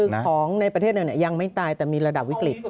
คือของในประเทศยังไม่ตายแต่มีระดับวิกฤต